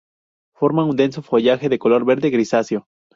Forma un denso follaje de color verde grisáceo.